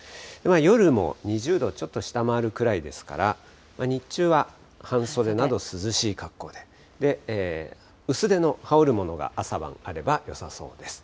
夜も２０度をちょっと下回るくらいですから、日中は半袖など、涼しい格好で、薄手の羽織るものが朝晩あればよさそうです。